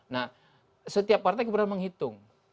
nah setiap partai kemudian menghitung